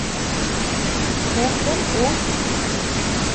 У кем у?!